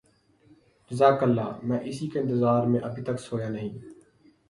جزاک اللہ میں اسی کے انتظار میں ابھی تک سویا نہیں